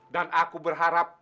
dan aku berharap